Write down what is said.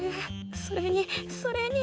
それにそれに。